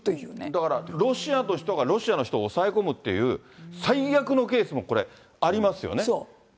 だから、ロシアの人がロシアの人を抑え込むっていう、最悪のケースもこれ、そう。